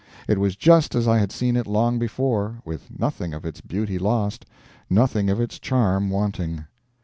It was just as I had seen it long before, with nothing of its beauty lost, nothing of its charm wanting.